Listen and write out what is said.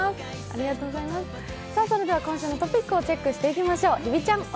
それでは今週のトピックをチェックしていきましょう。